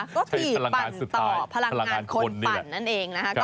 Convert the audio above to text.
ก็คือปั่นต่อพลังงานคนปั่นนั่นเองนะคะ